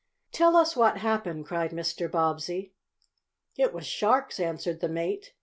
"Tell us what happened!" cried Mr. Bobbsey. "It was sharks," answered the mate.